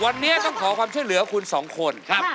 วันนี้ต้องขอความเชื่อเหลือคุณสองคน